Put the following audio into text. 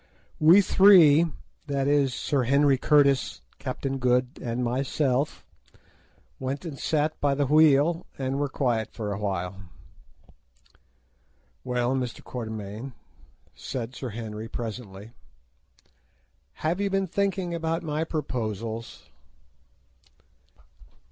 We three—that is, Sir Henry Curtis, Captain Good, and myself—went and sat by the wheel, and were quiet for a while. "Well, Mr. Quatermain," said Sir Henry presently, "have you been thinking about my proposals?"